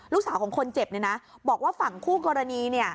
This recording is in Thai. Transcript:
ลูกสาวของคนเจ็บเนี่ยนะบอกว่าฝั่งคู่กรณี